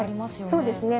そうですね。